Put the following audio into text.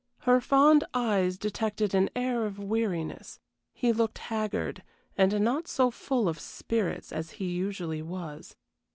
Her fond eyes detected an air of weariness: he looked haggard, and not so full of spirits as he usually was.